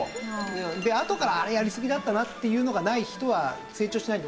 あとからあれやりすぎだったなっていうのがない人は成長しないんで。